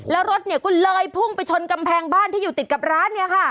แล้วรถเนี่ยก็เลยพุ่งไปชนกำแพงบ้านที่อยู่ติดกับร้านเนี่ยค่ะ